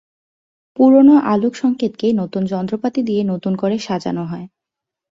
পুরনো আলোকসংকেতকে নতুন যন্ত্রপাতি দিয়ে নতুন করে সাজানো হয়।